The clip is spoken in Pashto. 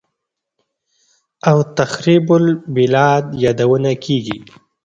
او «تخریب البلاد» یادونه کېږي